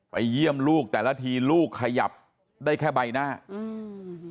เยี่ยมลูกแต่ละทีลูกขยับได้แค่ใบหน้าอืม